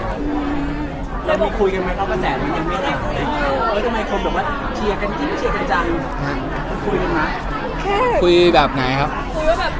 เรามีคุยกันมั้ยครับวันแดนมันยังไม่รัก